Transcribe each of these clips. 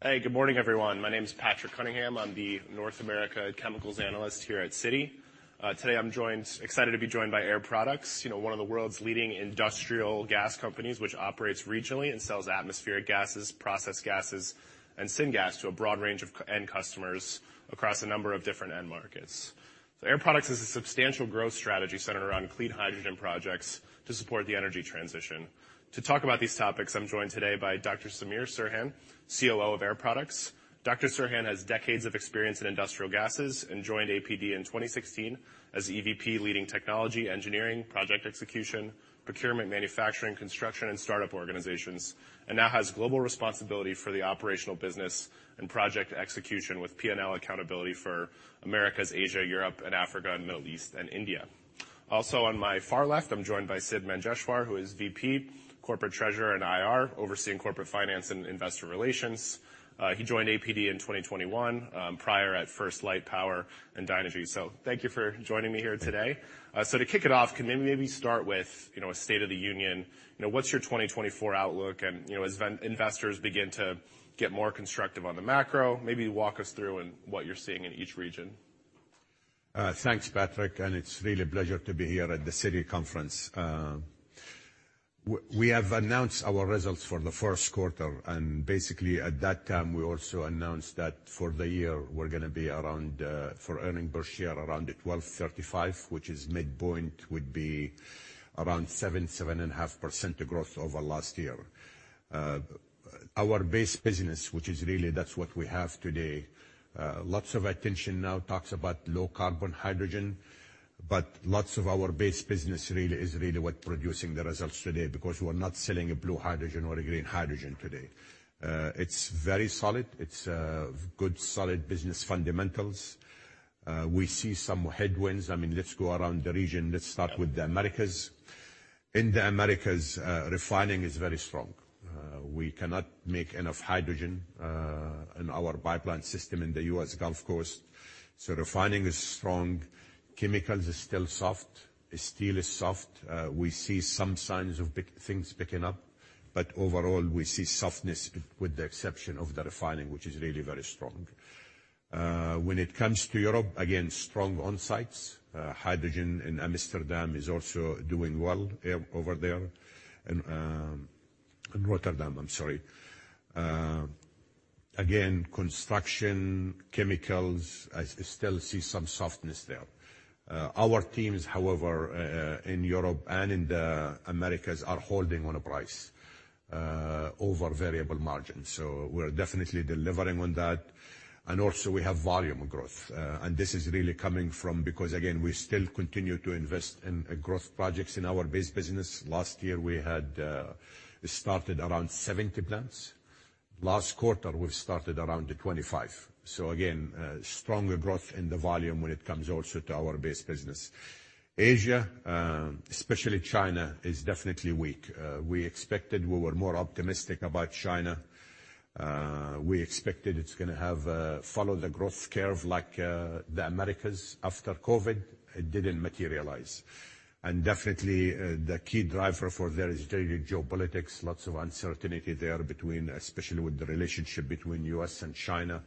Hey, good morning, everyone. My name's Patrick Cunningham. I'm the North America Chemicals Analyst here at Citi. Today I'm excited to be joined by Air Products, one of the world's leading industrial gas companies which operates regionally and sells atmospheric gases, processed gases, and syngas to a broad range of end customers across a number of different end markets. Air Products has a substantial growth strategy centered around clean hydrogen projects to support the energy transition. To talk about these topics, I'm joined today by Dr. Samir Serhan, COO of Air Products. Dr. Serhan has decades of experience in industrial gases and joined APD in 2016 as EVP leading technology, engineering, project execution, procurement, manufacturing, construction, and startup organizations, and now has global responsibility for the operational business and project execution with P&L accountability for Americas, Asia, Europe, and Africa, Middle East, and India. Also on my far left, I'm joined by Sidd Manjeshwar, who is VP, Corporate Treasurer, and IR overseeing corporate finance and investor relations. He joined APD in 2021, prior at FirstLight Power and Dynegy. So thank you for joining me here today. To kick it off, can maybe start with a state of the union. What's your 2024 outlook? And as investors begin to get more constructive on the macro, maybe walk us through what you're seeing in each region. Thanks, Patrick. And it's really a pleasure to be here at the Citi Conference. We have announced our results for the first quarter. And basically, at that time, we also announced that for the year, we're going to be around $12.35 for earnings per share, which is midpoint, would be around 7%-7.5% growth over last year. Our base business, which is really that's what we have today, lots of attention now talks about low carbon hydrogen, but lots of our base business really is really what producing the results today because we're not selling a blue hydrogen or a green hydrogen today. It's very solid. It's good, solid business fundamentals. We see some headwinds. I mean, let's go around the region. Let's start with the Americas. In the Americas, refining is very strong. We cannot make enough hydrogen in our pipeline system in the U.S. Gulf Coast. So refining is strong. Chemicals is still soft. Steel is soft. We see some signs of things picking up, but overall, we see softness with the exception of the refining, which is really very strong. When it comes to Europe, again, strong on-sites. Hydrogen in Amsterdam is also doing well over there. In Rotterdam, I'm sorry. Again, construction, chemicals, I still see some softness there. Our teams, however, in Europe and in the Americas are holding on a price over variable margins. So we're definitely delivering on that. And also, we have volume growth. And this is really coming from because, again, we still continue to invest in growth projects in our base business. Last year, we had started around 70 plants. Last quarter, we've started around 25. So again, stronger growth in the volume when it comes also to our base business. Asia, especially China, is definitely weak. We expected we were more optimistic about China. We expected it's going to follow the growth curve like the Americas. After COVID, it didn't materialize. And definitely, the key driver for there is really geopolitics. Lots of uncertainty there, especially with the relationship between U.S. and China.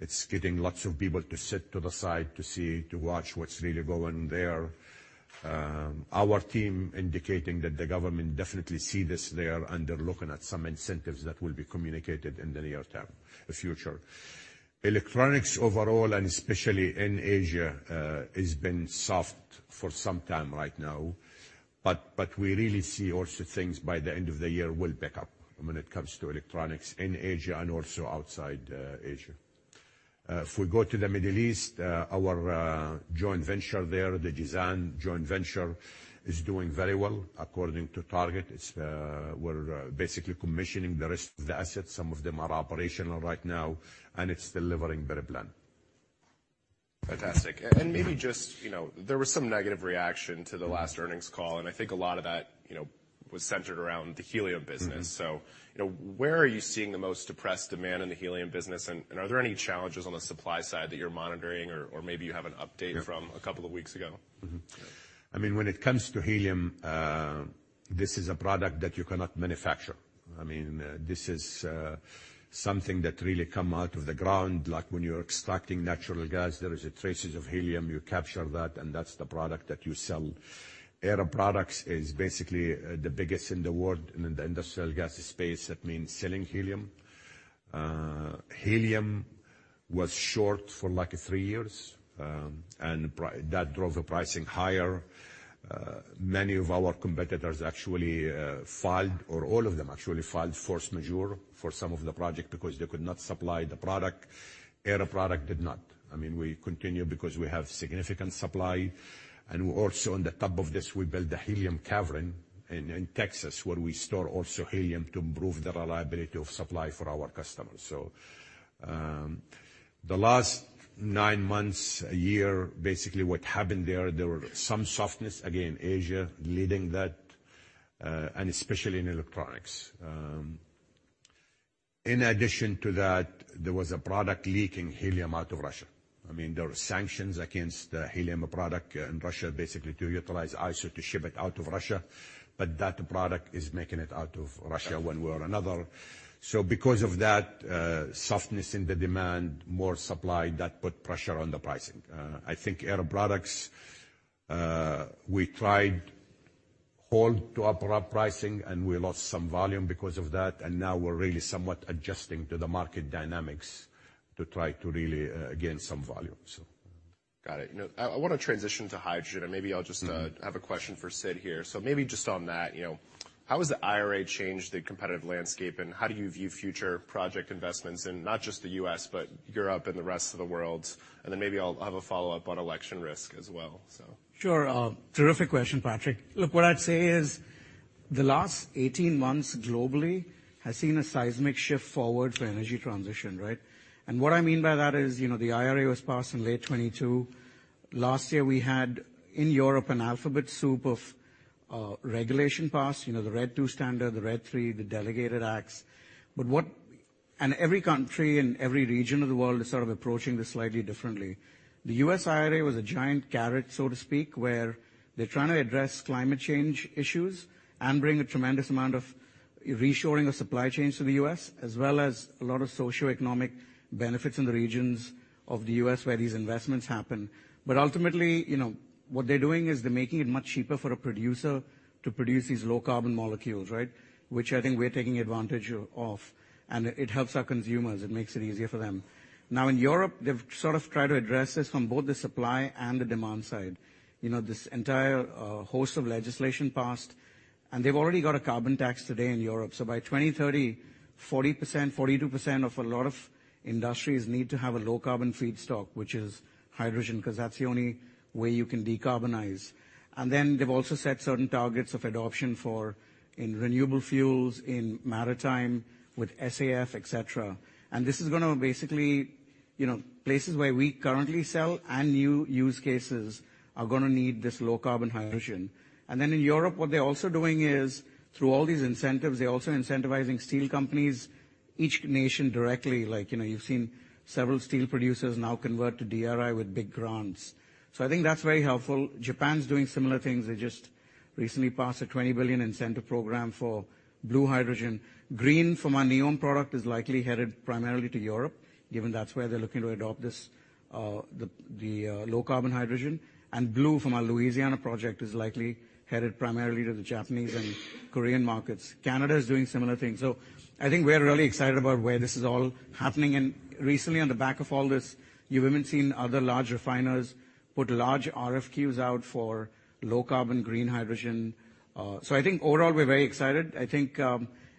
It's getting lots of people to sit to the side to watch what's really going there. Our team indicating that the government definitely see this there and they're looking at some incentives that will be communicated in the near term, the future. Electronics overall, and especially in Asia, has been soft for some time right now. But we really see also things by the end of the year will pick up when it comes to electronics in Asia and also outside Asia. If we go to the Middle East, our joint venture there, the Jazan joint venture, is doing very well according to target. We're basically commissioning the rest of the assets. Some of them are operational right now, and it's delivering very planned. Fantastic. Maybe just there was some negative reaction to the last earnings call. I think a lot of that was centered around the helium business. Where are you seeing the most depressed demand in the helium business? Are there any challenges on the supply side that you're monitoring? Or maybe you have an update from a couple of weeks ago. I mean, when it comes to helium, this is a product that you cannot manufacture. I mean, this is something that really come out of the ground. Like when you're extracting natural gas, there is traces of helium. You capture that, and that's the product that you sell. Air Products is basically the biggest in the world in the industrial gas space. That means selling helium. Helium was short for like three years, and that drove the pricing higher. Many of our competitors actually filed or all of them actually filed force majeure for some of the project because they could not supply the product. Air Products did not. I mean, we continue because we have significant supply. And also on the top of this, we build a helium cavern in Texas where we store also helium to improve the reliability of supply for our customers. So the last nine months, a year, basically what happened there, there were some softness. Again, Asia leading that, and especially in electronics. In addition to that, there was a product leaking helium out of Russia. I mean, there were sanctions against the helium product in Russia, basically to utilize ISO to ship it out of Russia. But that product is making it out of Russia when we were another. So because of that softness in the demand, more supply, that put pressure on the pricing. I think Air Products, we tried hold to our pricing, and we lost some volume because of that. Now we're really somewhat adjusting to the market dynamics to try to really gain some volume, so. Got it. I want to transition to hydrogen. Maybe I'll just have a question for Sidd here. Maybe just on that, how has the IRA changed the competitive landscape? How do you view future project investments in not just the U.S., but Europe and the rest of the world? Then maybe I'll have a follow-up on election risk as well, so. Sure. Terrific question, Patrick. Look, what I'd say is the last 18 months globally has seen a seismic shift forward for energy transition, right? And what I mean by that is the IRA was passed in late 2022. Last year, we had in Europe an alphabet soup of regulation passed, the RED II standard, the RED III, the Delegated Acts. And every country and every region of the world is sort of approaching this slightly differently. The U.S. IRA was a giant carrot, so to speak, where they're trying to address climate change issues and bring a tremendous amount of reshoring of supply chains to the U.S., as well as a lot of socioeconomic benefits in the regions of the U.S. where these investments happen. But ultimately, what they're doing is they're making it much cheaper for a producer to produce these low carbon molecules, right, which I think we're taking advantage of. And it helps our consumers. It makes it easier for them. Now, in Europe, they've sort of tried to address this from both the supply and the demand side. This entire host of legislation passed, and they've already got a carbon tax today in Europe. So by 2030, 40%, 42% of a lot of industries need to have a low carbon feedstock, which is hydrogen, because that's the only way you can decarbonize. And then they've also set certain targets of adoption in renewable fuels, in maritime with SAF, et cetera. And this is going to basically places where we currently sell and new use cases are going to need this low carbon hydrogen. Then in Europe, what they're also doing is through all these incentives, they're also incentivizing steel companies, each nation directly. You've seen several steel producers now convert to DRI with big grants. So I think that's very helpful. Japan's doing similar things. They just recently passed a 20 billion incentive program for blue hydrogen. Green, from our NEOM product, is likely headed primarily to Europe, given that's where they're looking to adopt the low carbon hydrogen. And blue, from our Louisiana project, is likely headed primarily to the Japanese and Korean markets. Canada is doing similar things. So I think we're really excited about where this is all happening. And recently, on the back of all this, you haven't seen other large refiners put large RFQs out for low carbon green hydrogen. So I think overall, we're very excited. I think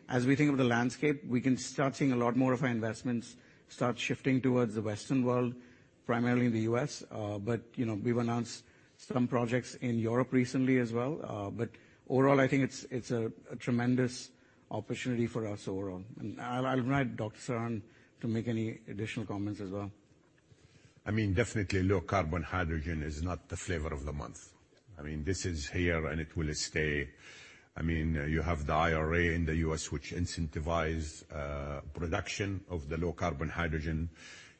as we think of the landscape, we can start seeing a lot more of our investments start shifting towards the Western world, primarily in the U.S. But we've announced some projects in Europe recently as well. But overall, I think it's a tremendous opportunity for us overall. And I'll invite Dr. Serhan to make any additional comments as well. I mean, definitely, low carbon hydrogen is not the flavor of the month. I mean, this is here, and it will stay. I mean, you have the IRA in the U.S., which incentivizes production of the low carbon hydrogen.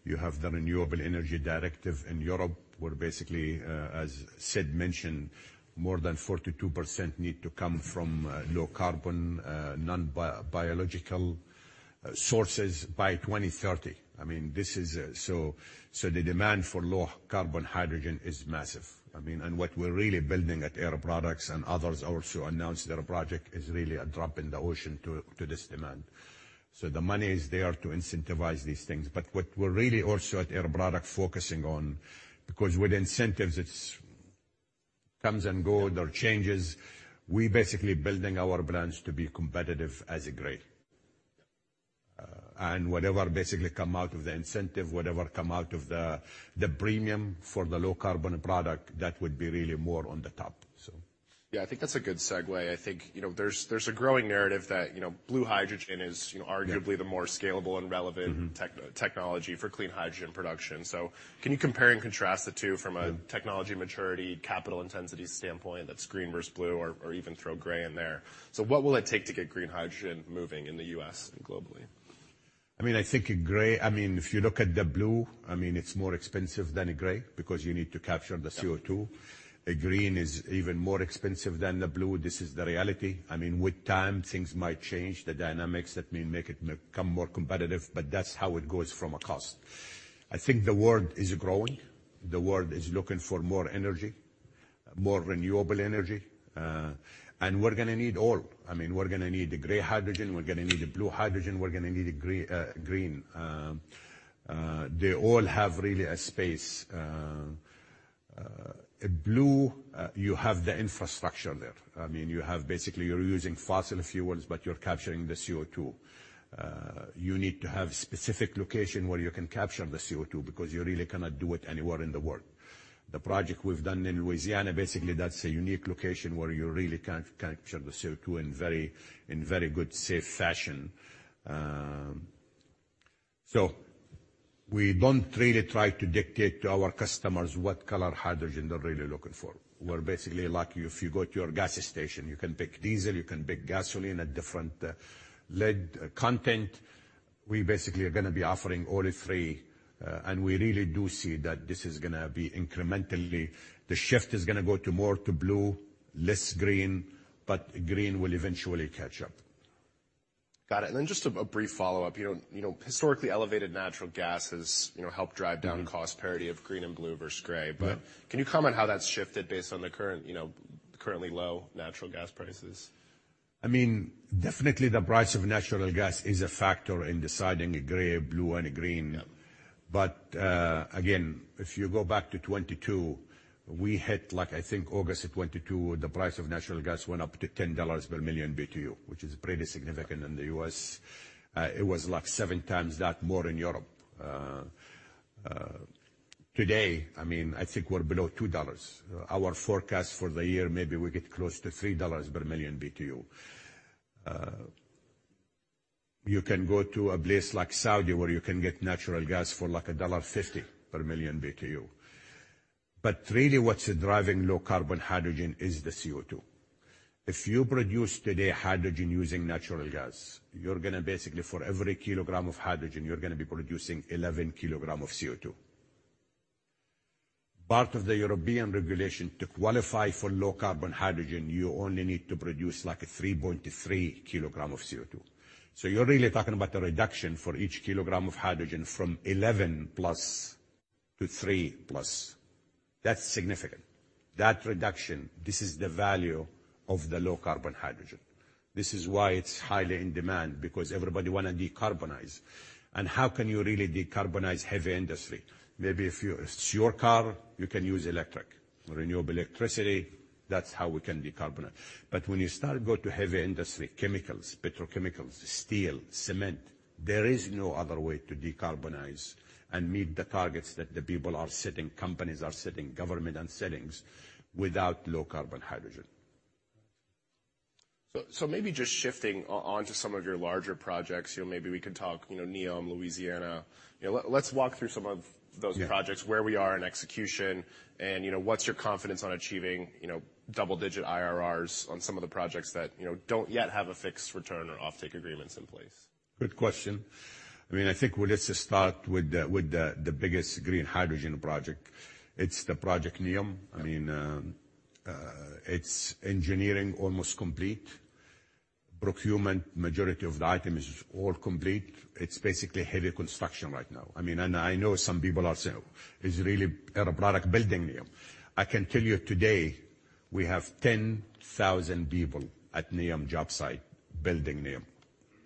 You have the Renewable Energy Directive in Europe, where basically, as Sidd mentioned, more than 42% need to come from low carbon, non-biological sources by 2030. I mean, so the demand for low carbon hydrogen is massive. I mean, and what we're really building at Air Products and others also announced their project is really a drop in the ocean to this demand. So the money is there to incentivize these things. But what we're really also at Air Products focusing on because with incentives, it comes and goes. There are changes. We're basically building our plans to be competitive as a grade. Whatever basically come out of the incentive, whatever come out of the premium for the low carbon product, that would be really more on the top, so. Yeah, I think that's a good segue. I think there's a growing narrative that blue hydrogen is arguably the more scalable and relevant technology for clean hydrogen production. So can you compare and contrast the two from a technology maturity, capital intensity standpoint? That's green versus blue, or even throw gray in there. So what will it take to get green hydrogen moving in the U.S. and globally? I mean, I think gray. I mean, if you look at the blue, I mean, it's more expensive than a gray because you need to capture the CO2. A green is even more expensive than the blue. This is the reality. I mean, with time, things might change. The dynamics, that means make it become more competitive. But that's how it goes from a cost. I think the world is growing. The world is looking for more energy, more renewable energy. And we're going to need all. I mean, we're going to need the gray hydrogen. We're going to need the blue hydrogen. We're going to need the green. They all have really a space. Blue, you have the infrastructure there. I mean, you have basically. You're using fossil fuels, but you're capturing the CO2. You need to have a specific location where you can capture the CO2 because you really cannot do it anywhere in the world. The project we've done in Louisiana, basically, that's a unique location where you really can capture the CO2 in very good, safe fashion. So we don't really try to dictate to our customers what color hydrogen they're really looking for. We're basically like if you go to your gas station, you can pick diesel. You can pick gasoline at different lead content. We basically are going to be offering all the three. And we really do see that this is going to be incrementally. The shift is going to go to more to blue, less green. But green will eventually catch up. Got it. And then just a brief follow-up. Historically, elevated natural gas has helped drive down cost parity of green and blue versus gray. But can you comment how that's shifted based on the currently low natural gas prices? I mean, definitely, the price of natural gas is a factor in deciding a gray, blue, and a green. But again, if you go back to 2022, we hit, I think, August of 2022, the price of natural gas went up to $10 per million BTU, which is pretty significant in the U.S. It was like 7x that more in Europe. Today, I mean, I think we're below $2. Our forecast for the year, maybe we get close to $3 per million BTU. You can go to a place like Saudi where you can get natural gas for like $1.50 per million BTU. But really, what's driving low carbon hydrogen is the CO2. If you produce today hydrogen using natural gas, you're going to basically for every kilogram of hydrogen, you're going to be producing 11 kg of CO2. Part of the European regulation to qualify for low carbon hydrogen, you only need to produce like a 3.3 kg of CO2. So you're really talking about a reduction for each kilogram of hydrogen from 11+ to 3+. That's significant. That reduction, this is the value of the low carbon hydrogen. This is why it's highly in demand because everybody want to decarbonize. And how can you really decarbonize heavy industry? Maybe if it's your car, you can use electric, renewable electricity. That's how we can decarbonize. But when you start to go to heavy industry, chemicals, petrochemicals, steel, cement, there is no other way to decarbonize and meet the targets that the people are setting, companies are setting, government are setting without low carbon hydrogen. So maybe just shifting onto some of your larger projects, maybe we could talk NEOM, Louisiana. Let's walk through some of those projects, where we are in execution, and what's your confidence on achieving double-digit IRRs on some of the projects that don't yet have a fixed return or offtake agreements in place? Good question. I mean, I think we'll just start with the biggest green hydrogen project. It's the project NEOM. I mean, it's engineering almost complete. Procurement, majority of the item is all complete. It's basically heavy construction right now. I mean, and I know some people are saying, "Is really Air Products building NEOM?" I can tell you today, we have 10,000 people at NEOM job site building NEOM.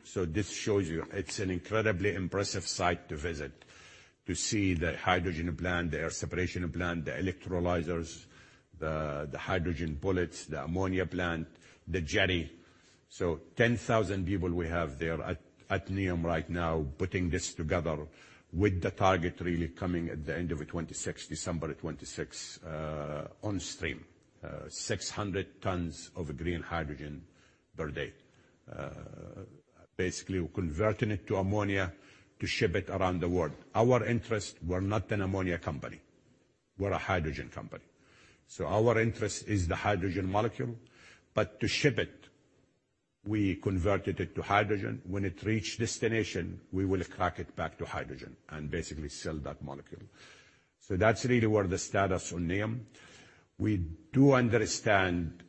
So this shows you it's an incredibly impressive site to visit, to see the hydrogen plant, the air separation plant, the electrolyzers, the hydrogen bullets, the ammonia plant, the jetty. So 10,000 people we have there at NEOM right now putting this together with the target really coming at the end of 2026, December 2026, on stream, 600 tons of green hydrogen per day. Basically, we're converting it to ammonia to ship it around the world. Our interest, we're not an ammonia company. We're a hydrogen company. So our interest is the hydrogen molecule. But to ship it, we converted it to hydrogen. When it reached destination, we will crack it back to hydrogen and basically sell that molecule. So that's really where the status on NEOM. We do understand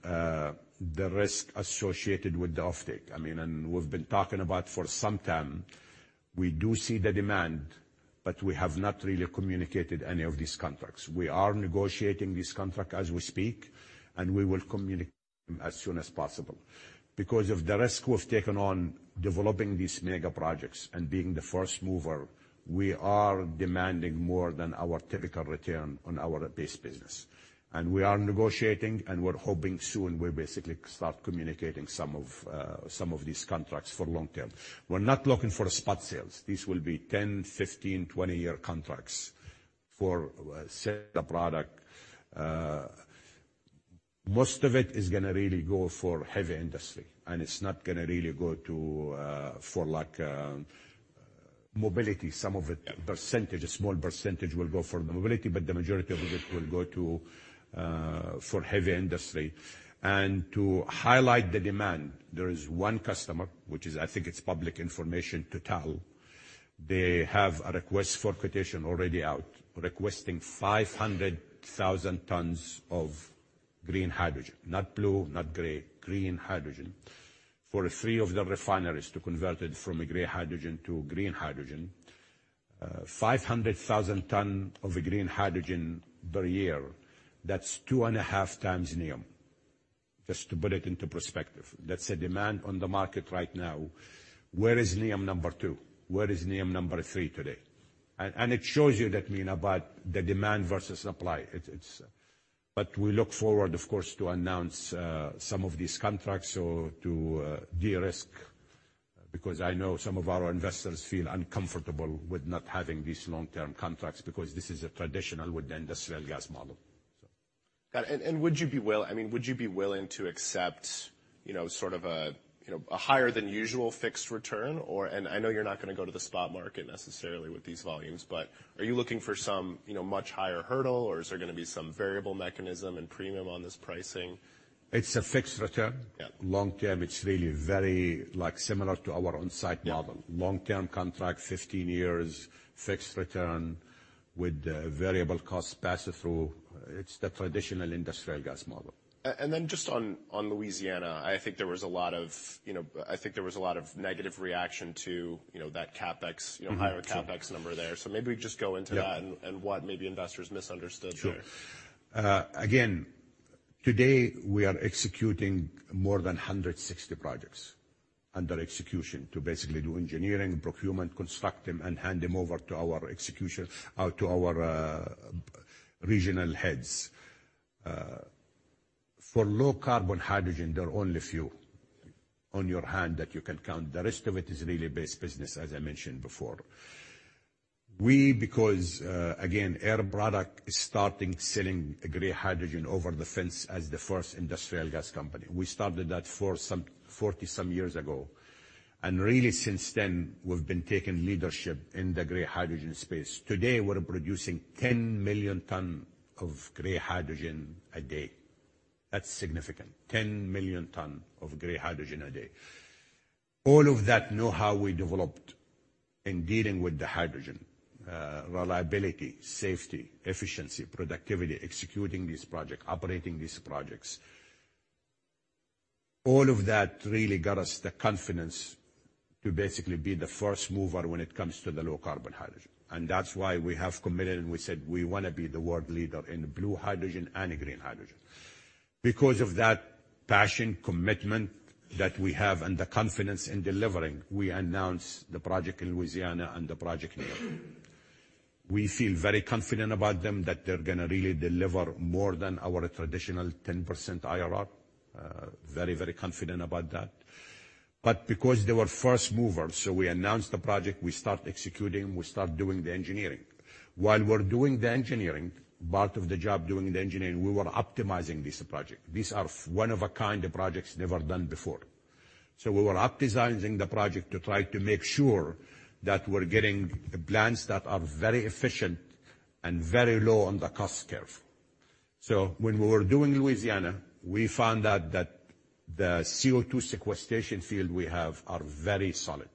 the risk associated with the offtake. I mean, and we've been talking about for some time, we do see the demand, but we have not really communicated any of these contracts. We are negotiating these contracts as we speak, and we will communicate them as soon as possible. Because of the risk we've taken on developing these mega projects and being the first mover, we are demanding more than our typical return on our base business. And we are negotiating, and we're hoping soon we'll basically start communicating some of these contracts for long term. We're not looking for spot sales. These will be 10-, 15-, 20-year contracts for a set of products. Most of it is going to really go for heavy industry, and it's not going to really go for mobility. Some of it, a small percentage will go for the mobility, but the majority of it will go for heavy industry. And to highlight the demand, there is one customer, which is I think it's public information, Total. They have a request for quotation already out, requesting 500,000 tons of green hydrogen, not blue, not gray, green hydrogen, for three of their refineries to convert it from a gray hydrogen to green hydrogen. 500,000 tons of green hydrogen per year, that's 2.5x NEOM, just to put it into perspective. That's a demand on the market right now. Where is NEOM number two? Where is NEOM number three today? It shows you that, Mina, about the demand versus supply. We look forward, of course, to announce some of these contracts or to de-risk because I know some of our investors feel uncomfortable with not having these long-term contracts because this is a traditional with the industrial gas model, so. Got it. Would you be willing, I mean, would you be willing to accept sort of a higher-than-usual fixed return? I know you're not going to go to the spot market necessarily with these volumes, but are you looking for some much higher hurdle, or is there going to be some variable mechanism and premium on this pricing? It's a fixed return. Long term, it's really very similar to our on-site model. Long-term contract, 15 years, fixed return with variable cost pass-through. It's the traditional industrial gas model. And then just on Louisiana, I think there was a lot of negative reaction to that higher CapEx number there. So maybe we just go into that and what maybe investors misunderstood there. Sure. Again, today, we are executing more than 160 projects under execution to basically do engineering, procurement, construct them, and hand them over to our regional heads. For low carbon hydrogen, there are only a few on one hand that you can count. The rest of it is really base business, as I mentioned before. We, because, again, Air Products is starting selling gray hydrogen over the fence as the first industrial gas company. We started that 40-some years ago. Really, since then, we've been taking leadership in the gray hydrogen space. Today, we're producing 10 million tons of gray hydrogen a day. That's significant, 10 million tons of gray hydrogen a day. All of that know-how we developed in dealing with the hydrogen, reliability, safety, efficiency, productivity, executing these projects, operating these projects, all of that really got us the confidence to basically be the first mover when it comes to the low carbon hydrogen. And that's why we have committed, and we said, "We want to be the world leader in blue hydrogen and green hydrogen." Because of that passion, commitment that we have, and the confidence in delivering, we announced the project in Louisiana and the project NEOM. We feel very confident about them, that they're going to really deliver more than our traditional 10% IRR. Very, very confident about that. But because they were first movers, so we announced the project, we start executing, we start doing the engineering. While we're doing the engineering, part of the job doing the engineering, we were optimizing this project. These are one-of-a-kind projects never done before. We were optimizing the project to try to make sure that we're getting plans that are very efficient and very low on the cost curve. When we were doing Louisiana, we found out that the CO2 sequestration field we have is very solid.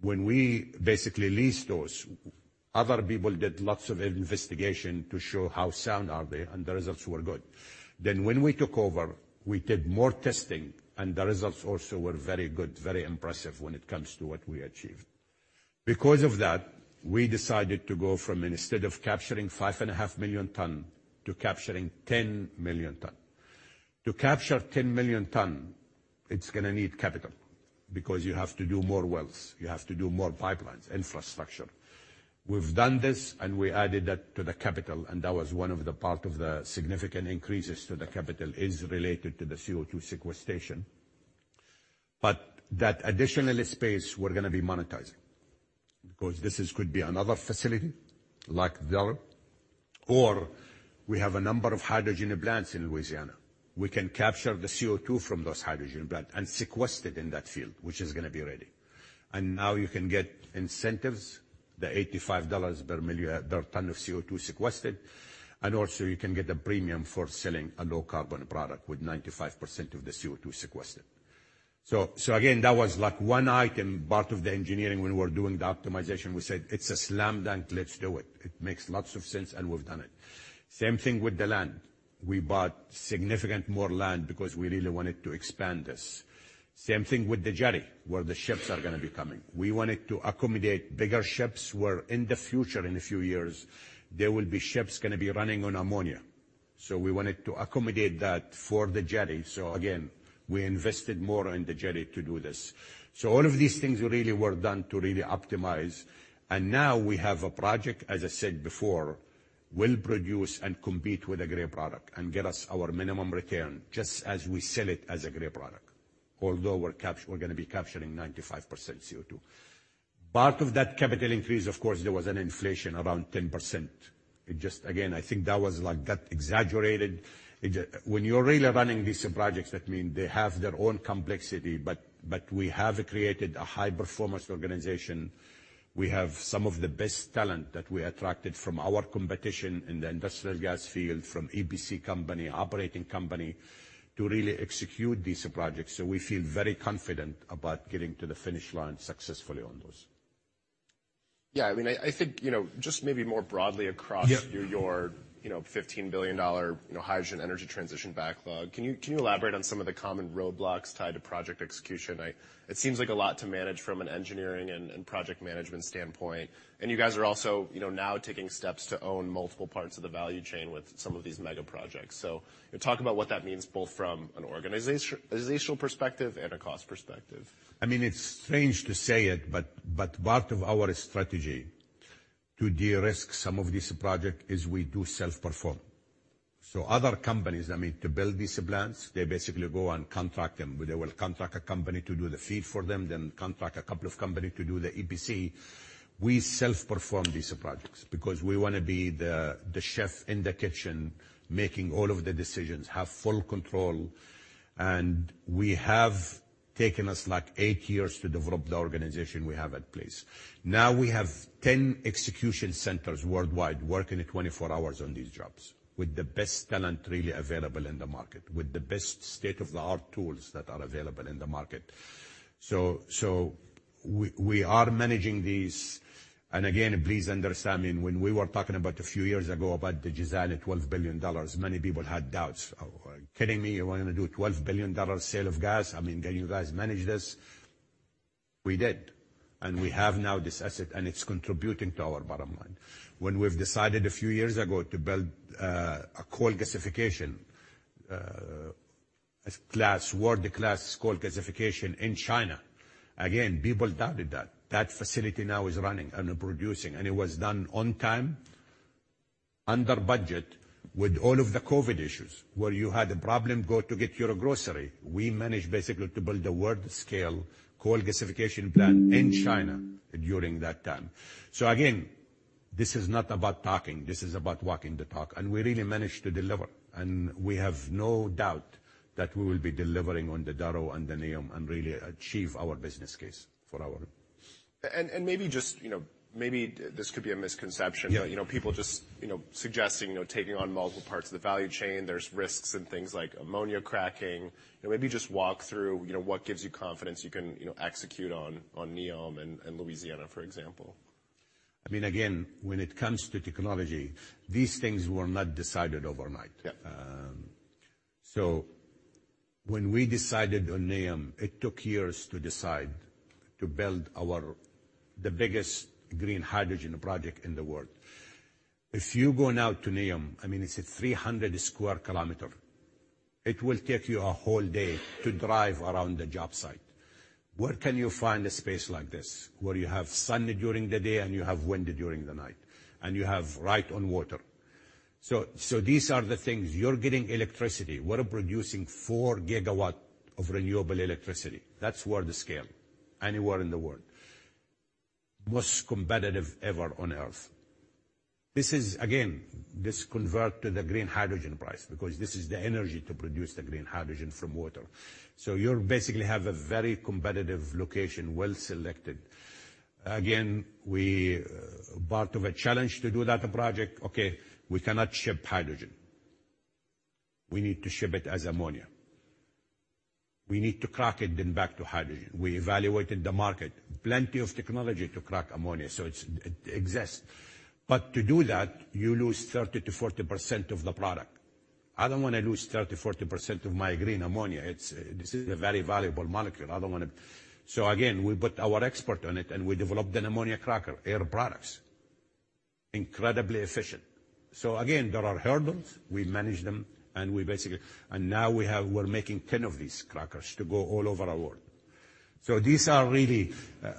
When we basically leased those, other people did lots of investigation to show how sound they are, and the results were good. When we took over, we did more testing, and the results also were very good, very impressive when it comes to what we achieved. Because of that, we decided to go from instead of capturing 5.5 million tons to capturing 10 million tons. To capture 10 million tons, it's going to need capital because you have to do more wells. You have to do more pipelines, infrastructure. We've done this, and we added that to the capital. And that was one of the part of the significant increases to the capital is related to the CO2 sequestration. But that additional space, we're going to be monetizing because this could be another facility like Delaware, or we have a number of hydrogen plants in Louisiana. We can capture the CO2 from those hydrogen plants and sequester it in that field, which is going to be ready. And now you can get incentives, the $85 per ton of CO2 sequestered. And also, you can get a premium for selling a low carbon product with 95% of the CO2 sequestered. So again, that was one item, part of the engineering. When we were doing the optimization, we said, "It's a slam dunk. Let's do it. It makes lots of sense, and we've done it." Same thing with the land. We bought significant more land because we really wanted to expand this. Same thing with the jetty where the ships are going to be coming. We wanted to accommodate bigger ships where in the future, in a few years, there will be ships going to be running on ammonia. So we wanted to accommodate that for the jetty. So again, we invested more in the jetty to do this. So all of these things really were done to really optimize. And now we have a project, as I said before, will produce and compete with a gray product and get us our minimum return just as we sell it as a gray product, although we're going to be capturing 95% CO2. Part of that capital increase, of course, there was an inflation around 10%. Again, I think that was exaggerated. When you're really running these projects, that means they have their own complexity. But we have created a high-performance organization. We have some of the best talent that we attracted from our competition in the industrial gas field, from EPC company, operating company, to really execute these projects. So we feel very confident about getting to the finish line successfully on those. Yeah. I mean, I think just maybe more broadly across your $15 billion hydrogen energy transition backlog, can you elaborate on some of the common roadblocks tied to project execution? It seems like a lot to manage from an engineering and project management standpoint. And you guys are also now taking steps to own multiple parts of the value chain with some of these mega projects. So talk about what that means both from an organizational perspective and a cost perspective. I mean, it's strange to say it, but part of our strategy to de-risk some of this project is we do self-perform. So other companies, I mean, to build these plants, they basically go and contract them. They will contract a company to do the FEED for them, then contract a couple of companies to do the EPC. We self-perform these projects because we want to be the chef in the kitchen making all of the decisions, have full control. And we have taken us eight years to develop the organization we have in place. Now we have 10 execution centers worldwide working 24 hours on these jobs with the best talent really available in the market, with the best state-of-the-art tools that are available in the market. So we are managing these. And again, please understand, when we were talking about a few years ago about the Jazan $12 billion, many people had doubts. "Kidding me? You want to do a $12 billion sale of gas? I mean, can you guys manage this?" We did. And we have now this asset, and it's contributing to our bottom line. When we've decided a few years ago to build a coal gasification, a world-class coal gasification in China, again, people doubted that. That facility now is running and producing. And it was done on time, under budget, with all of the COVID issues where you had a problem going to get your grocery. We managed basically to build a world-scale coal gasification plant in China during that time. So again, this is not about talking. This is about walking the talk. And we really managed to deliver. We have no doubt that we will be delivering on the Delaware and the NEOM and really achieve our business case for our. Maybe just maybe this could be a misconception, people just suggesting taking on multiple parts of the value chain. There's risks and things like ammonia cracking. Maybe just walk through what gives you confidence you can execute on NEOM and Louisiana, for example? I mean, again, when it comes to technology, these things were not decided overnight. So when we decided on NEOM, it took years to decide to build the biggest green hydrogen project in the world. If you go now to NEOM, I mean, it's a 300 square kilometer. It will take you a whole day to drive around the job site. Where can you find a space like this where you have sun during the day and you have wind during the night, and you have right on water? So these are the things. You're getting electricity. We're producing 4 GW of renewable electricity. That's world-scale, anywhere in the world, most competitive ever on Earth. Again, this converts to the green hydrogen price because this is the energy to produce the green hydrogen from water. So you basically have a very competitive location, well-selected. Again, part of a challenge to do that project, okay, we cannot ship hydrogen. We need to ship it as ammonia. We need to crack it then back to hydrogen. We evaluated the market, plenty of technology to crack ammonia, so it exists. But to do that, you lose 30%-40% of the product. I don't want to lose 30%-40% of my green ammonia. This is a very valuable molecule. I don't want to so again, we put our expert on it, and we developed an ammonia cracker, Air Products, incredibly efficient. So again, there are hurdles. We manage them, and we basically and now we're making 10 of these crackers to go all over the world. So these are really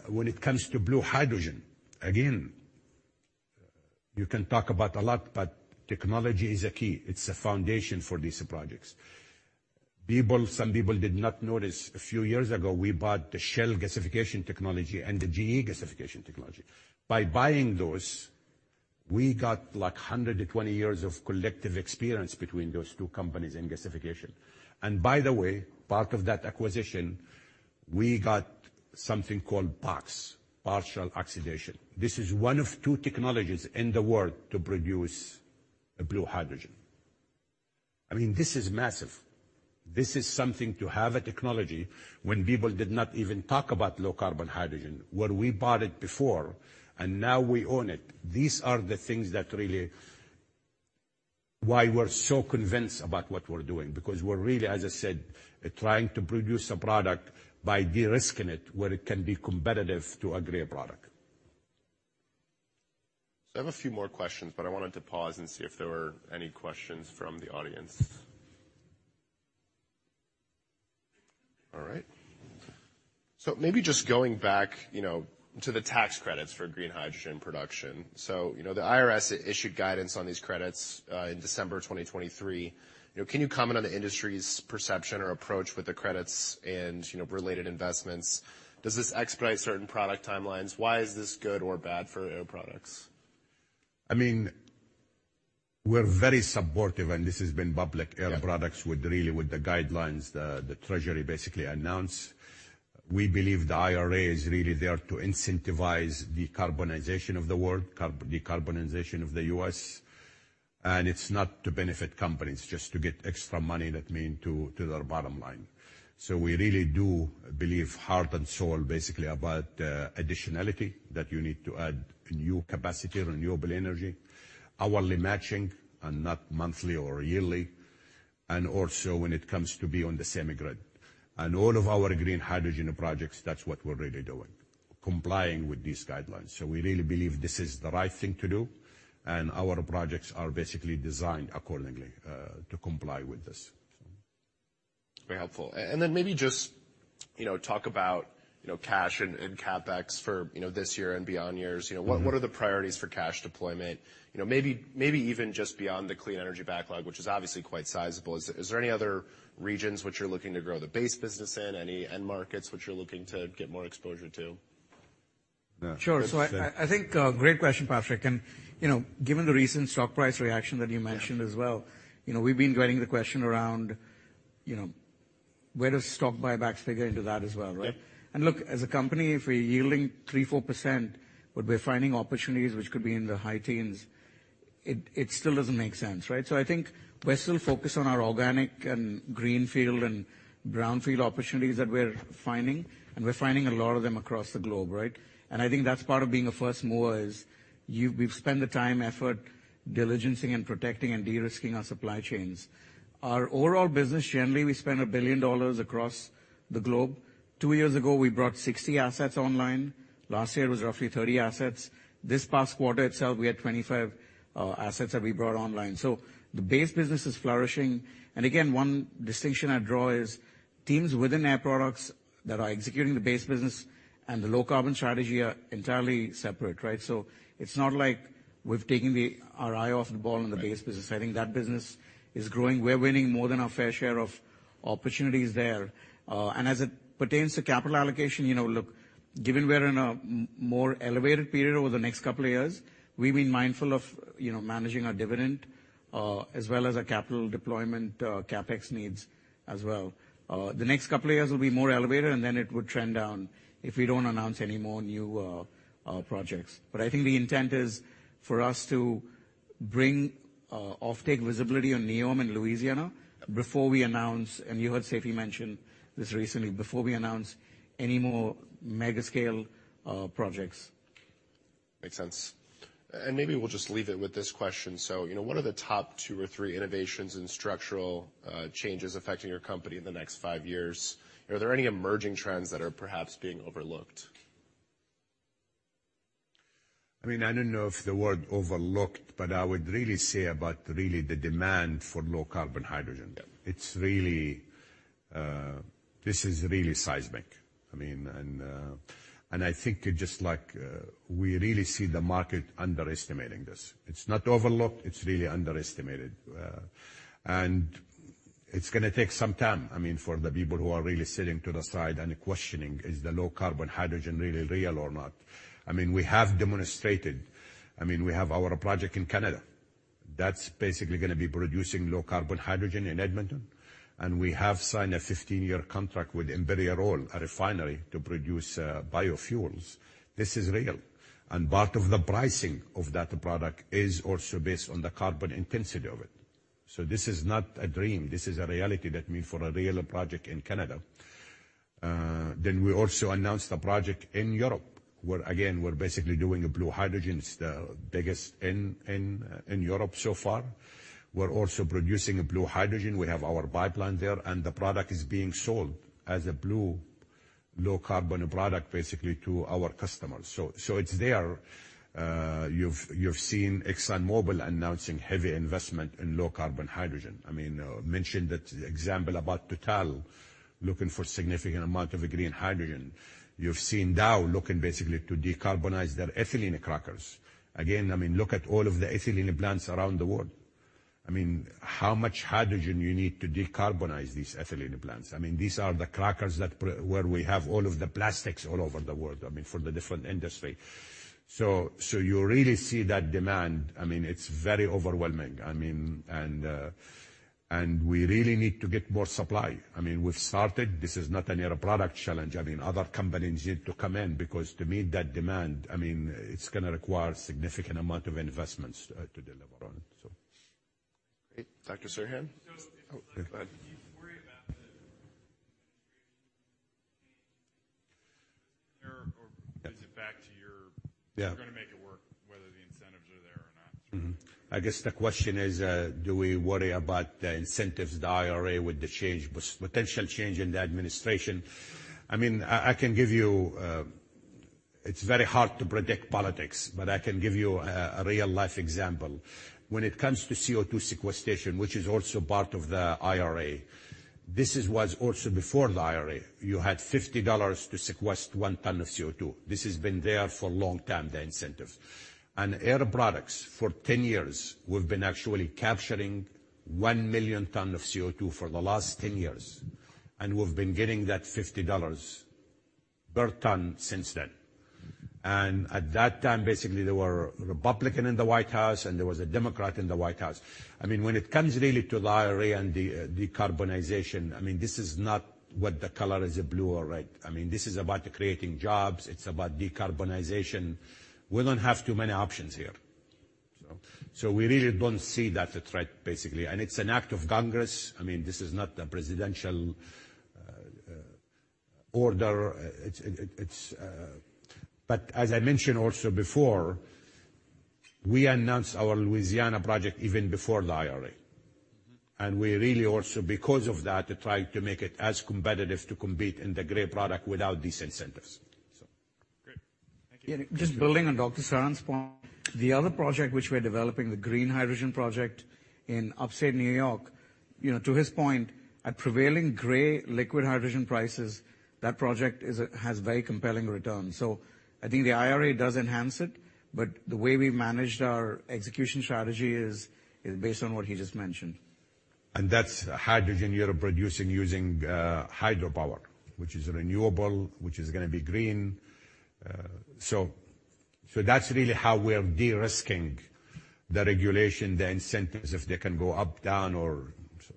when it comes to blue hydrogen, again, you can talk about a lot, but technology is a key. It's a foundation for these projects. Some people did not notice a few years ago, we bought the Shell gasification technology and the GE gasification technology. By buying those, we got 120 years of collective experience between those two companies in gasification. And by the way, part of that acquisition, we got something called POX, partial oxidation. This is one of two technologies in the world to produce blue hydrogen. I mean, this is massive. This is something to have a technology when people did not even talk about low carbon hydrogen where we bought it before, and now we own it. These are the things that really why we're so convinced about what we're doing because we're really, as I said, trying to produce a product by de-risking it where it can be competitive to a gray product. So I have a few more questions, but I wanted to pause and see if there were any questions from the audience. All right. So maybe just going back to the tax credits for green hydrogen production. So the IRS issued guidance on these credits in December 2023. Can you comment on the industry's perception or approach with the credits and related investments? Does this expedite certain product timelines? Why is this good or bad for Air Products? I mean, we're very supportive, and this has been public, Air Products, really, with the guidelines the Treasury basically announced. We believe the IRA is really there to incentivize decarbonization of the world, decarbonization of the U.S. And it's not to benefit companies, just to get extra money, that means, to their bottom line. So we really do believe heart and soul, basically, about additionality, that you need to add new capacity, renewable energy, hourly matching and not monthly or yearly, and also when it comes to being on the semi-grid. And all of our green hydrogen projects, that's what we're really doing, complying with these guidelines. So we really believe this is the right thing to do, and our projects are basically designed accordingly to comply with this. Very helpful. And then maybe just talk about cash and CapEx for this year and beyond years. What are the priorities for cash deployment? Maybe even just beyond the clean energy backlog, which is obviously quite sizable. Is there any other regions which you're looking to grow the base business in, any end markets which you're looking to get more exposure to? Sure. So I think great question, Patrick. And given the recent stock price reaction that you mentioned as well, we've been getting the question around where does stock buybacks figure into that as well, right? And look, as a company, if we're yielding 3%-4%, but we're finding opportunities which could be in the high teens, it still doesn't make sense, right? So I think we're still focused on our organic and greenfield and brownfield opportunities that we're finding, and we're finding a lot of them across the globe, right? And I think that's part of being a first mover is we've spent the time, effort, diligencing, and protecting and de-risking our supply chains. Our overall business, generally, we spend $1 billion across the globe. Two years ago, we brought 60 assets online. Last year, it was roughly 30 assets. This past quarter itself, we had 25 assets that we brought online. So the base business is flourishing. And again, one distinction I draw is teams within Air Products that are executing the base business and the low carbon strategy are entirely separate, right? So it's not like we've taken our eye off the ball in the base business. I think that business is growing. We're winning more than our fair share of opportunities there. And as it pertains to capital allocation, look, given we're in a more elevated period over the next couple of years, we've been mindful of managing our dividend as well as our capital deployment CapEx needs as well. The next couple of years will be more elevated, and then it would trend down if we don't announce any more new projects. I think the intent is for us to offtake visibility on NEOM and Louisiana before we announce, and you heard Seifi mention this recently, before we announce any more mega-scale projects. Makes sense. Maybe we'll just leave it with this question. What are the top two or three innovations and structural changes affecting your company in the next five years? Are there any emerging trends that are perhaps being overlooked? I mean, I don't know if the word overlooked, but I would really say about really the demand for low carbon hydrogen. This is really seismic, I mean. And I think just we really see the market underestimating this. It's not overlooked. It's really underestimated. And it's going to take some time, I mean, for the people who are really sitting to the side and questioning, "Is the low carbon hydrogen really real or not?" I mean, we have demonstrated. I mean, we have our project in Canada. That's basically going to be producing low carbon hydrogen in Edmonton. And we have signed a 15-year contract with Imperial Oil, a refinery, to produce biofuels. This is real. And part of the pricing of that product is also based on the carbon intensity of it. So this is not a dream. This is a reality that means for a real project in Canada, then we also announced a project in Europe where, again, we're basically doing a blue hydrogen. It's the biggest in Europe so far. We're also producing a blue hydrogen. We have our pipeline there, and the product is being sold as a blue low carbon product, basically, to our customers. So it's there. You've seen Exxon Mobil announcing heavy investment in low carbon hydrogen. I mean, mentioned that example about Total looking for a significant amount of green hydrogen. You've seen Dow looking, basically, to decarbonize their ethylene crackers. Again, I mean, look at all of the ethylene plants around the world. I mean, how much hydrogen you need to decarbonize these ethylene plants. I mean, these are the crackers where we have all of the plastics all over the world, I mean, for the different industry. So you really see that demand. I mean, it's very overwhelming, I mean. We really need to get more supply. I mean, we've started. This is not an Air Products challenge. I mean, other companies need to come in because to meet that demand, I mean, it's going to require a significant amount of investments to deliver on it, so. Great. Dr. Serhan? If you worry about the, is it back to your, "You're going to make it work," whether the incentives are there or not? I guess the question is, do we worry about the incentives, the IRA, with the potential change in the administration? I mean, I can give you, it's very hard to predict politics, but I can give you a real-life example. When it comes to CO2 sequestration, which is also part of the IRA, this is what's also before the IRA. You had $50 to sequester one ton of CO2. This has been there for a long time, the incentive. Air Products, for 10 years, we've been actually capturing 1,000,000 tons of CO2 for the last 10 years, and we've been getting that $50 per ton since then. At that time, basically, there were a Republican in the White House, and there was a Democrat in the White House. I mean, when it comes really to the IRA and the decarbonization, I mean, this is not what the color is, a blue or red. I mean, this is about creating jobs. It's about decarbonization. We don't have too many options here, so. So we really don't see that threat, basically. And it's an act of Congress. I mean, this is not a presidential order. But as I mentioned also before, we announced our Louisiana project even before the IRA. And we really also, because of that, try to make it as competitive to compete in the gray product without these incentives, so. Great. Thank you. Yeah. Just building on Dr. Serhan's point, the other project which we're developing, the green hydrogen project in upstate New York, to his point, at prevailing gray liquid hydrogen prices, that project has very compelling returns. So I think the IRA does enhance it, but the way we've managed our execution strategy is based on what he just mentioned. That's hydrogen you're producing using hydropower, which is renewable, which is going to be green. That's really how we're de-risking the regulation, the incentives, if they can go up, down, or so.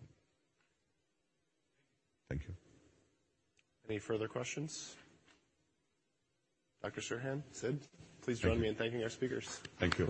Thank you. Any further questions? Dr. Serhan? Sidd? Please join me in thanking our speakers. Thank you.